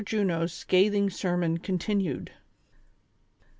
JUNO'S SCATHING SERMON CONTINUED.